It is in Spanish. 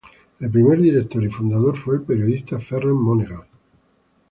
El primer director y fundador fue el periodista Ferran Monegal.